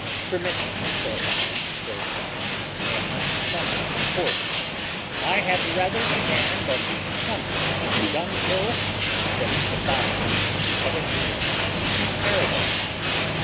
Permit me to say, though the idea may be somewhat coarse, I had rather stand on the summit of a dunghill than at the bottom of a hill in Paradise.